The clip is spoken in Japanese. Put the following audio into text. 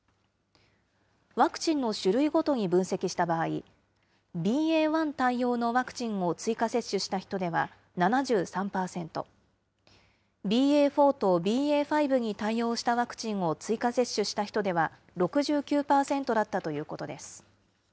ワクチンの種類ごとに分析した場合、ＢＡ．１対応のワクチンを追加接種した人では７３％、ＢＡ．４とＢＡ．５に対応したワクチンを追加接種した人では６９％だったということです。